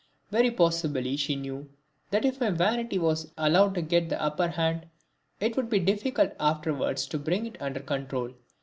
Very possibly she knew that if my vanity was once allowed to get the upper hand it would be difficult afterwards to bring it under control.